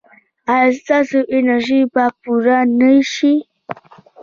ایا ستاسو انرژي به پوره نه شي؟